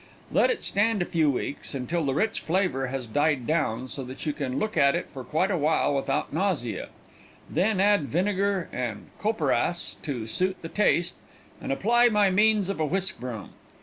Let it stand a few weeks, until the rich flavor has died down, so that you can look at it for quite a while without nausea; then add vinegar and copperas to suit the taste, and apply by means of a whisk broom.